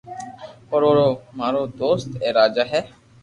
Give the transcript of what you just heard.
پر اورو مارو دوست اي راجا ھي